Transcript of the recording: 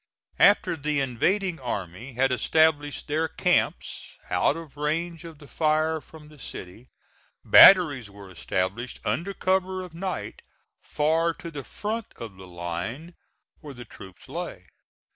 After the invading army had established their camps out of range of the fire from the city, batteries were established, under cover of night, far to the front of the line where the troops lay.